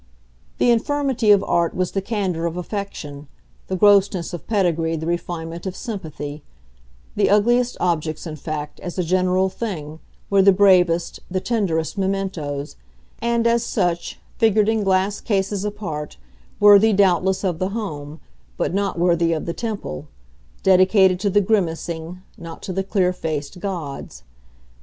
The infirmity of art was the candour of affection, the grossness of pedigree the refinement of sympathy; the ugliest objects, in fact, as a general thing, were the bravest, the tenderest mementos, and, as such, figured in glass cases apart, worthy doubtless of the home, but not worthy of the temple dedicated to the grimacing, not to the clear faced, gods.